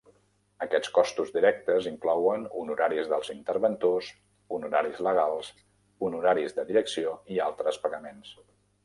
Aquests costos directes inclouen honoraris dels interventors, honoraris legals, honoraris de direcció i altres pagaments.